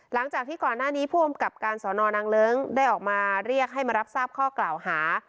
หลังจากที่ก่อนหน้านี้ผู้อำกับการสอนอนางเลิ้งได้ออกมาเรียกให้มารับทราบข้อกล่าวหา